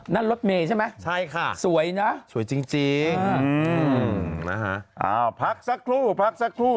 นั่นรถเมย์ใช่ไหมใช่ค่ะสวยนะสวยจริงนะฮะอ้าวพักสักครู่พักสักครู่